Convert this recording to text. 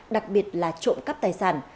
đặc biệt là trộm cắp tài sản